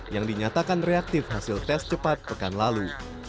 yang dinyatakan reaktif hasil tes cepat pekan lalu